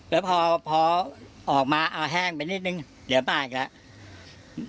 แล้วพอออกมาเอาแห้งไปนิดนึงเดี๋ยวมาอีกแล้ว